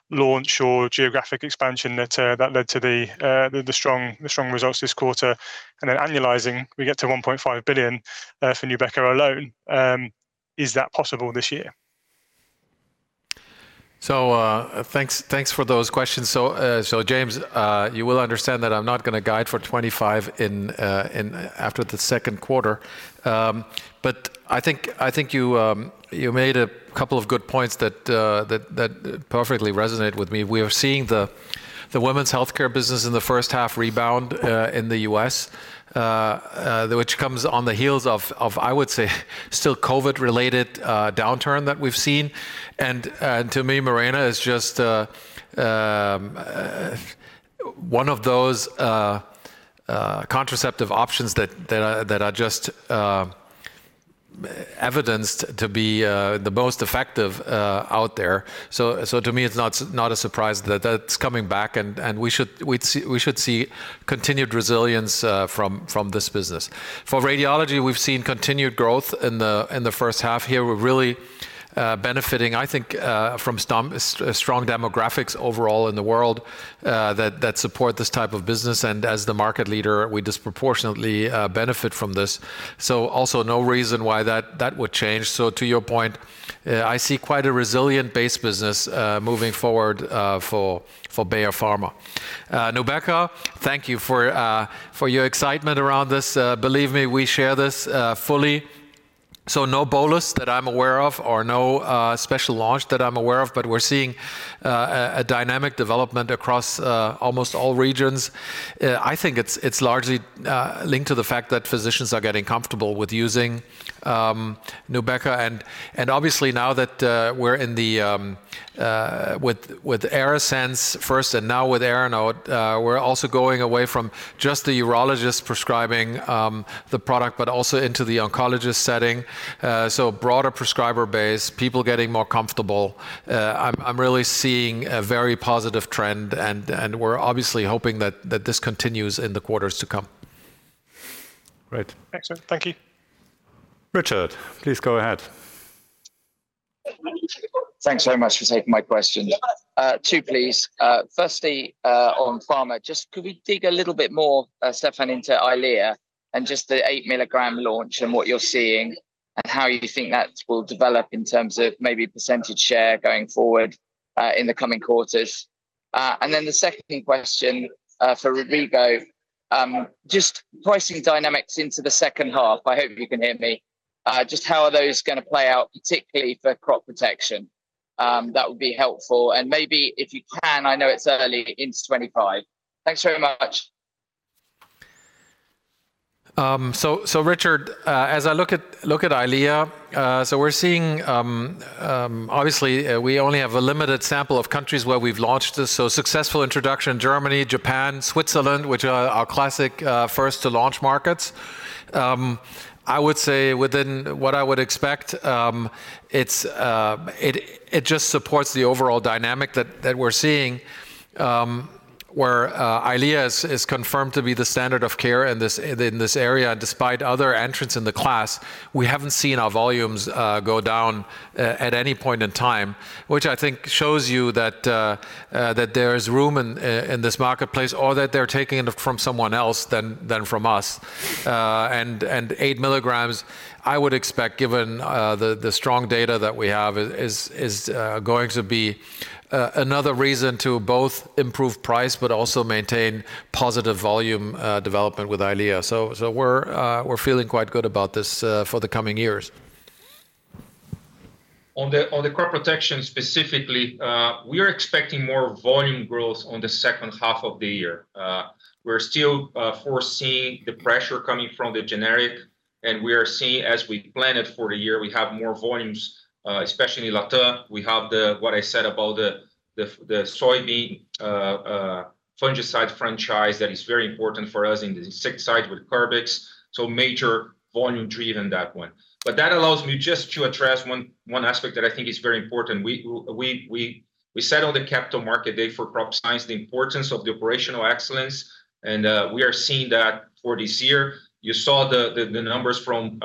launch or geographic expansion that led to the strong results this quarter? And then annualizing, we get to $1.5 billion for Nubeqa alone.... Is that possible this year? So, thanks, thanks for those questions. So, James, you will understand that I'm not gonna guide for 2025 in after the second quarter. But I think, I think you made a couple of good points that perfectly resonate with me. We are seeing the women's healthcare business in the first half rebound in the US, which comes on the heels of, I would say, still COVID-related downturn that we've seen. And to me, Mirena is just one of those contraceptive options that are just evidenced to be the most effective out there. So to me, it's not a surprise that that's coming back and we should see continued resilience from this business. For radiology, we've seen continued growth in the first half here. We're really benefiting, I think, from some strong demographics overall in the world that support this type of business, and as the market leader, we disproportionately benefit from this. So also no reason why that would change. So to your point, I see quite a resilient base business moving forward for Bayer Pharma. Nubeqa, thank you for your excitement around this. Believe me, we share this fully. So no bolus that I'm aware of or no special launch that I'm aware of, but we're seeing a dynamic development across almost all regions. I think it's largely linked to the fact that physicians are getting comfortable with using Nubeqa. And obviously, now that we're in the with ARASENS first and now with ARANOTE, we're also going away from just the urologist prescribing the product, but also into the oncologist setting. So a broader prescriber base, people getting more comfortable. I'm really seeing a very positive trend, and we're obviously hoping that this continues in the quarters to come. Great. Excellent. Thank you. Richard, please go ahead. Thanks very much for taking my question. Two, please. Firstly, on pharma, just could we dig a little bit more, Stefan, into EYLEA and just the eight-milligram launch and what you're seeing, and how you think that will develop in terms of maybe percentage share going forward, in the coming quarters? And then the second question, for Rodrigo, just pricing dynamics into the second half. I hope you can hear me. Just how are those gonna play out, particularly for crop protection? That would be helpful. And maybe if you can, I know it's early, in 2025. Thanks very much. So, Richard, as I look at EYLEA, so we're seeing obviously we only have a limited sample of countries where we've launched this. So successful introduction in Germany, Japan, Switzerland, which are our classic first-to-launch markets. I would say within what I would expect, it's just supports the overall dynamic that we're seeing, where EYLEA is confirmed to be the standard of care in this area. And despite other entrants in the class, we haven't seen our volumes go down at any point in time, which I think shows you that there is room in this marketplace or that they're taking it from someone else than from us. And 8 milligrams, I would expect, given the strong data that we have, is going to be another reason to both improve price but also maintain positive volume development with EYLEA. So we're feeling quite good about this for the coming years. On the crop protection specifically, we are expecting more volume growth on the second half of the year. We're still foreseeing the pressure coming from the generic, and we are seeing, as we planned it for the year, we have more volumes, especially Latin America. We have what I said about the soybean fungicide franchise that is very important for us in the insecticide with Curbix, so major volume driven that one. But that allows me just to address one aspect that I think is very important. We said on the capital market day for crop science, the importance of the operational excellence, and we are seeing that for this year. You saw the numbers from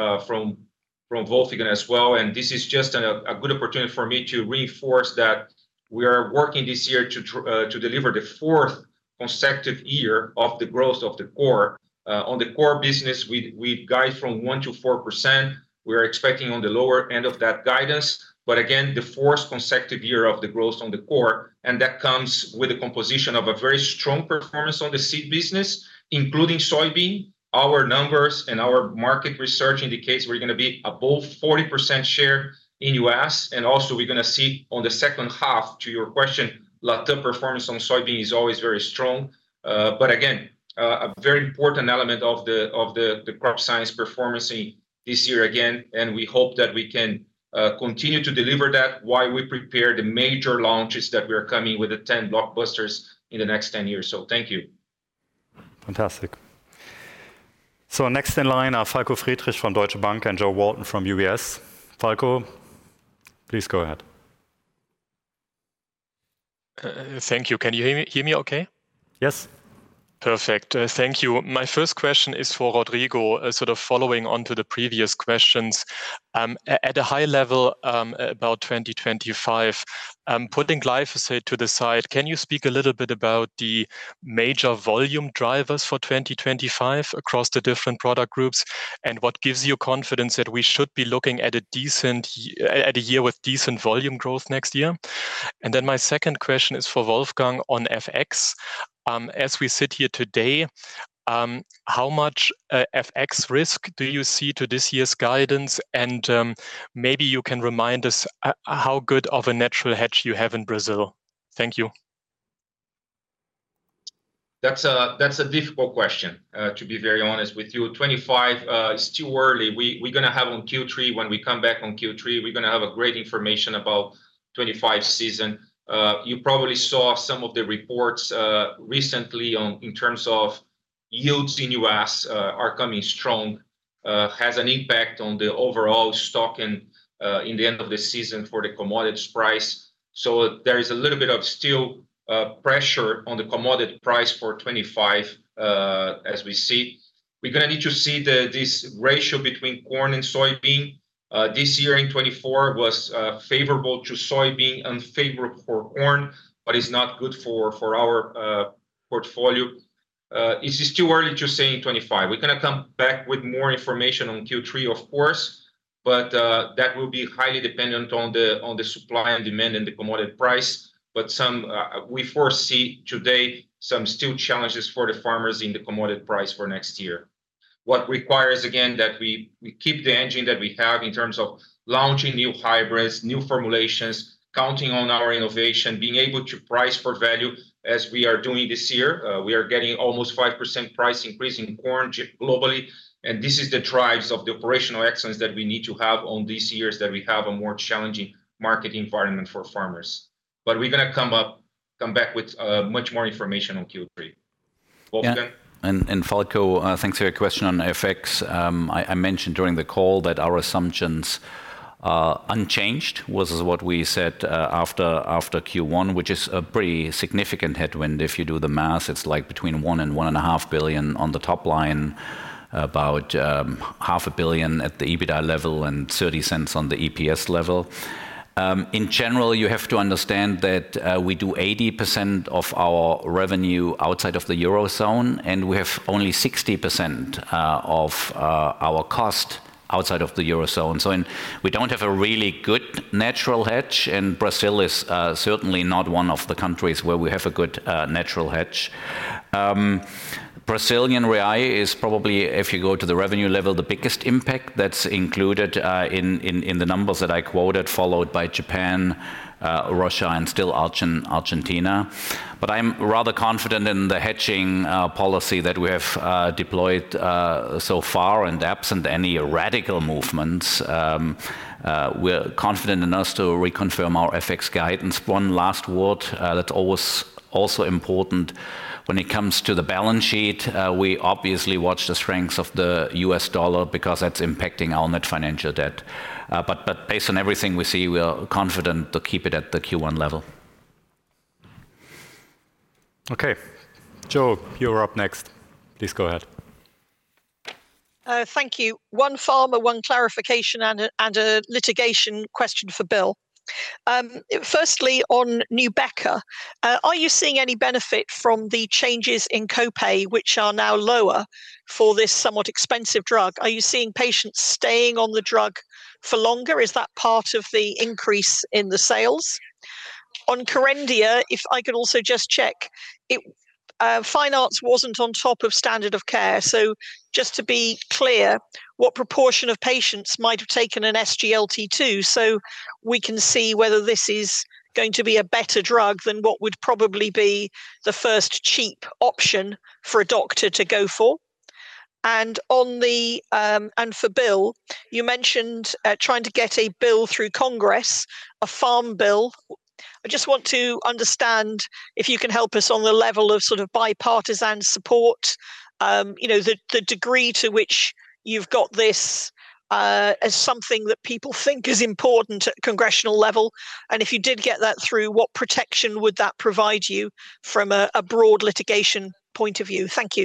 Wolfgang as well, and this is just a good opportunity for me to reinforce that we are working this year to deliver the fourth consecutive year of the growth of the core. On the core business, we guide from 1%-4%. We're expecting on the lower end of that guidance, but again, the fourth consecutive year of the growth on the core, and that comes with a composition of a very strong performance on the seed business, including soybean. Our numbers and our market research indicates we're gonna be above 40% share in U.S., and also we're gonna see on the second half, to your question, latter performance on soybean is always very strong. But again, a very important element of the crop science performance this year again, and we hope that we can continue to deliver that while we prepare the major launches that we are coming with the 10 blockbusters in the next 10 years. So thank you. Fantastic. So next in line are Falko Friedrichs from Deutsche Bank and Jo Walton from UBS. Falko, please go ahead. Thank you. Can you hear me, hear me okay? Yes. Perfect. Thank you. My first question is for Rodrigo, sort of following on to the previous questions. At a high level, about 2025, putting glyphosate to the side, can you speak a little bit about the major volume drivers for 2025 across the different product groups? And what gives you confidence that we should be looking at a decent year with decent volume growth next year? And then my second question is for Wolfgang on FX. As we sit here today, how much FX risk do you see to this year's guidance? And maybe you can remind us how good of a natural hedge you have in Brazil. Thank you. That's a difficult question, to be very honest with you. 25, it's too early. We're gonna have on Q3, when we come back on Q3, we're gonna have great information about 2025 season. You probably saw some of the reports recently on, in terms of yields in U.S., are coming strong, has an impact on the overall stock and, in the end of the season for the commodities price. So there is still a little bit of pressure on the commodity price for 2025, as we see. We're gonna need to see this ratio between corn and soybean. This year in 2024 was favorable to soybean, unfavorable for corn, but it's not good for our portfolio. It is too early to say in 2025. We're gonna come back with more information on Q3, of course, but that will be highly dependent on the supply and demand and the commodity price. But some... we foresee today some still challenges for the farmers in the commodity price for next year. What requires, again, that we keep the engine that we have in terms of launching new hybrids, new formulations, counting on our innovation, being able to price for value as we are doing this year. We are getting almost 5% price increase in corn globally, and this is the drives of the operational excellence that we need to have in these years, that we have a more challenging market environment for farmers. But we're gonna come back with much more information on Q3. Wolfgang? Yeah. And Falko, thanks for your question on FX. I mentioned during the call that our assumptions are unchanged, was what we said after Q1, which is a pretty significant headwind. If you do the math, it's like between 1 billion and 1.5 billion on the top line, about 0.5 billion at the EBITDA level and 0.30 on the EPS level. In general, you have to understand that we do 80% of our revenue outside of the Eurozone, and we have only 60% of our cost outside of the Eurozone. So and we don't have a really good natural hedge, and Brazil is certainly not one of the countries where we have a good natural hedge. Brazilian real is probably, if you go to the revenue level, the biggest impact that's included in the numbers that I quoted, followed by Japan, Russia, and still Argentina. But I'm rather confident in the hedging policy that we have deployed so far, and absent any radical movements, we're confident enough to reconfirm our FX guidance. One last word, that's always also important when it comes to the balance sheet. We obviously watch the strength of the US dollar because that's impacting our net financial debt. But based on everything we see, we are confident to keep it at the Q1 level. Okay. Jo, you're up next. Please go ahead. Thank you. One pharma, one clarification, and a litigation question for Bill. Firstly, on Nubeqa, are you seeing any benefit from the changes in co-pay, which are now lower for this somewhat expensive drug? Are you seeing patients staying on the drug for longer? Is that part of the increase in the sales? On Kerendia, if I could also just check, it wasn't on top of standard of care. So just to be clear, what proportion of patients might have taken an SGLT2, so we can see whether this is going to be a better drug than what would probably be the first cheap option for a doctor to go for? And for Bill, you mentioned trying to get a bill through Congress, a farm bill. I just want to understand if you can help us on the level of sort of bipartisan support, you know, the degree to which you've got this, as something that people think is important at congressional level. And if you did get that through, what protection would that provide you from a broad litigation point of view? Thank you.